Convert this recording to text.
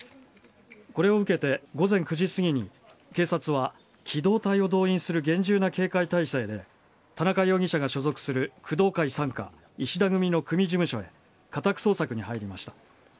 これを受けて、午前９時すぎに警察は機動隊を動員する厳重な警戒態勢で田中容疑者が所属する工藤会傘下石田組の組事務所へ家宅捜索に入りました。